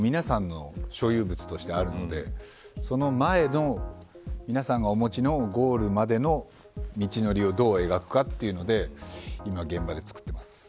もうゴールが皆さんの所有物としてあるのでその前の、皆さんがお持ちのゴールまでの道のりをどう描くかというので今、現場で作っています。